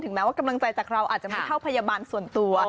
แม้ว่ากำลังใจจากเราอาจจะไม่เท่าพยาบาลส่วนตัว